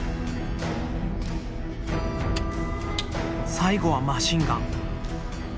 最後はマシンガン。